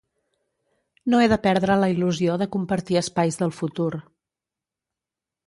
No he de perdre la il·lusió de compartir espais del futur.